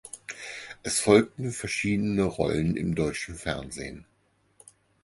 Es folgten verschiedene Rollen im deutschen Fernsehen.